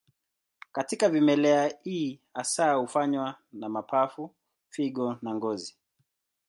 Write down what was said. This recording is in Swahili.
Katika vimelea hii hasa hufanywa na mapafu, figo na ngozi.